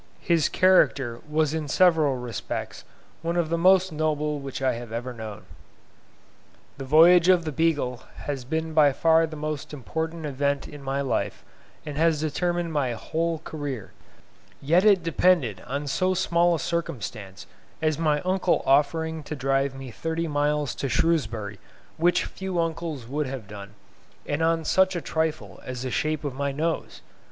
His character was in several respects one of the most noble which I have ever known. The voyage of the "Beagle" has been by far the most important event in my life, and has determined my whole career; yet it depended on so small a circumstance as my uncle offering to drive me thirty miles to Shrewsbury, which few uncles would have done, and on such a trifle as the shape of my nose.